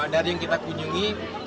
dari yang kita kunjungi